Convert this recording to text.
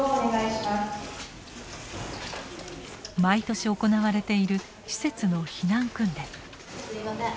毎年行われている施設の避難訓練。